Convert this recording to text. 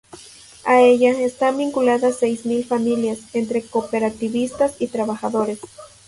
A ella están vinculadas seis mil familias, entre cooperativistas y trabajadores.